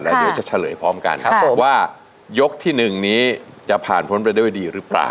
เดี๋ยวจะเฉลยพร้อมกันว่ายกที่๑นี้จะผ่านพ้นไปด้วยดีหรือเปล่า